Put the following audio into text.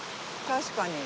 確かに。